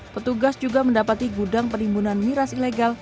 petugas juga mendapati gudang penimbunan miras ilegal